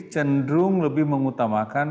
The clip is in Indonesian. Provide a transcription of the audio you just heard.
cenderung lebih mengutamakan